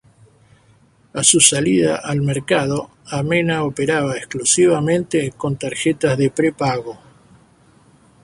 A su salida al mercado, Amena operaba exclusivamente con tarjetas de prepago.